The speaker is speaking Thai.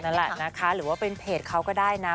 นั่นแหละนะคะหรือว่าเป็นเพจเขาก็ได้นะ